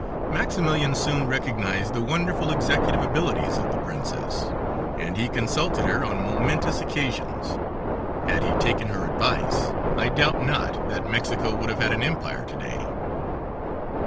Maximilian soon recognized the wonderful executive abilities of the princess, and he consulted her on momentous occasions. Had he taken her advice, I doubt not but that Mexico would have had an empire to day.